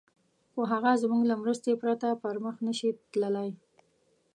خو هغه زموږ له مرستې پرته پر مخ نه شي تللای.